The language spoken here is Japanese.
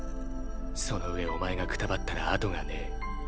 その上お前がくたばったら後がねぇ。